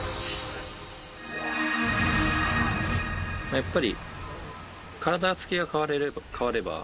やっぱり。